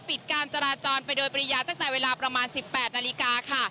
ปิดการจราจรไปโดยปริญญาตั้งแต่เวลาประมาณ๑๘นาฬิกาค่ะ